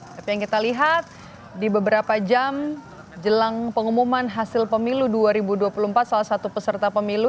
tapi yang kita lihat di beberapa jam jelang pengumuman hasil pemilu dua ribu dua puluh empat salah satu peserta pemilu